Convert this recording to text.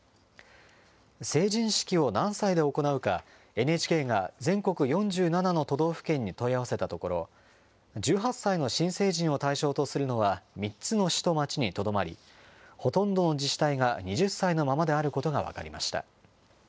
成人式を何歳で行うか、ＮＨＫが全国４７の都道府県に問い合わせたところ、１８歳の新成人を対象とするのは３つの市と町にとどまり、ほとんどの自治体が２０歳のままであることが分かりました。